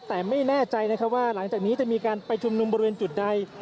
แต่ไม่แน่ใจนะครับว่าหลังจากนี้จะมีการไปชุมนุมบริเวณจุดใด